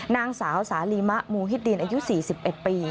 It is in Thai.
นางสาวสาลีมะมูฮิตดินอายุ๔๑ปี